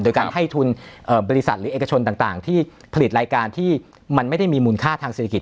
โดยการให้ทุนบริษัทหรือเอกชนต่างที่ผลิตรายการที่มันไม่ได้มีมูลค่าทางเศรษฐกิจ